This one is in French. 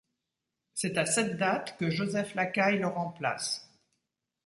C'est à cette date que Joseph Lacaille le remplace.